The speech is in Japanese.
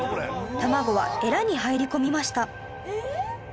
卵はエラに入り込みました